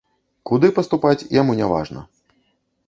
Куды паступаць, яму няважна.